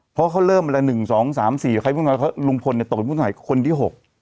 เพราะเขาเริ่ม๑๒๓๔ลุงพลตกเป็นผู้สงสัยคนที่๖